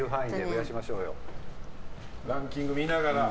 ランキング見ながら。